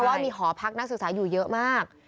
ว่ามีหอพักนักศึกษาอยู่เยอะมาก